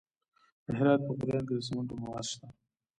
د هرات په غوریان کې د سمنټو مواد شته.